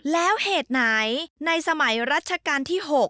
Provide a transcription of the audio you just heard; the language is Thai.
แล้วเหตุไหนในสมัยรัชกาลที่๖